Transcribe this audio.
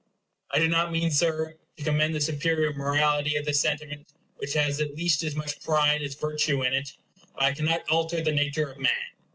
I do not mean, Sir, to commend the superior morality of this sentiment, which has at least as much pride as virtue in it; but I cannot alter the nature of man.